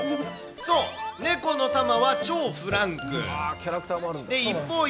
そう、猫のタマは超フランク。